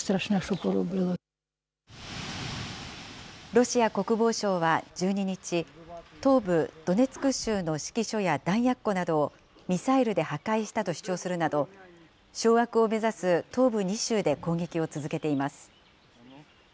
ロシア国防省は１２日、東部ドネツク州の指揮所や弾薬庫などをミサイルで破壊したと主張するなど、掌握を目指す東部２州で攻撃を続けています。